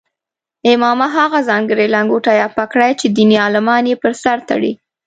عمامه هغه ځانګړې لنګوټه یا پګړۍ چې دیني عالمان یې پر سر تړي.